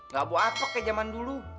gak mau apa apa kayak zaman dulu